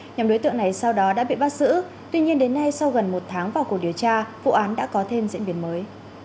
nhóm đối tượng này sau đó đã bị bắt giữ tuy nhiên đến nay sau gần một tháng vào cuộc điều tra vụ án đã có thêm diễn biến mới